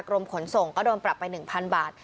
กรมขนส่งก็โดนปรับไป๑๐๐บาท